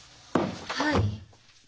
はい。